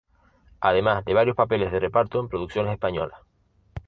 Además de varios papeles de reparto en producciones españolas.